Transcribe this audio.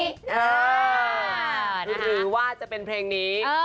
หรือว่าจะเป็นเพลงนี้